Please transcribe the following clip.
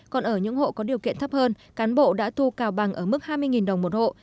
còn ở những hộ có điều kiện thấp hơn cán bộ đã thu cao bằng ở mức hai mươi đồng một hộ